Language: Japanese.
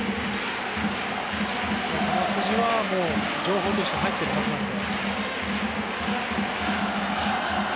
球筋は情報として入っているはずなので。